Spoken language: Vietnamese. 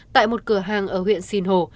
tại một cửa hàng ở huyện sìn hồ